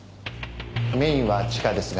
メインは地下ですが。